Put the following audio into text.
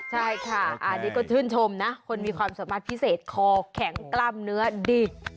ใช่ค่ะอันนี้ก็ชื่นชมนะคนมีความสามารถพิเศษคอแข็งกล้ามเนื้อดิบ